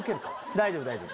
大丈夫大丈夫。